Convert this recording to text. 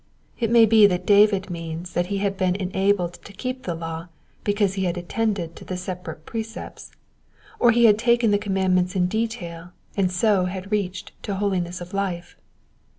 It may be that David means that he had been enabled to keep the law because he had attended to the separate precepts : he had taken the commands in detail, and so had reached to holiness of life.